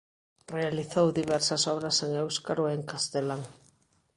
Realizou diversas obras en éuscaro e en castelán.